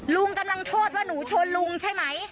ลุงกำลังโทษว่าหนูชนลุงใช่ไหม